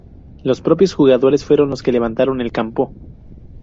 Los propios jugadores fueron los que levantaron el campo.